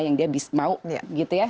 yang dia mau gitu ya